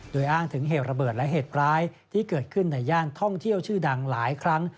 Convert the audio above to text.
โดยอ้างถึงเหตุระเบิดและเหตุร้ายที่เกิดขึ้นในย่านท่องเที่ยวชื่อดังหลายครั้ง